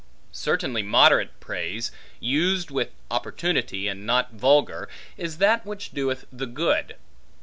Certainly moderate praise, used with opportunity, and not vulgar, is that which doth the good.